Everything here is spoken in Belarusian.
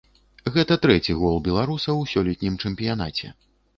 Гэта трэці гол беларуса ў сёлетнім чэмпіянаце.